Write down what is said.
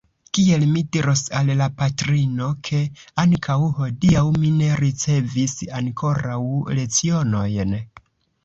Kiel mi diros al la patrino, ke ankaŭ hodiaŭ mi ne ricevis ankoraŭ lecionojn!